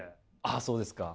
あそうですか。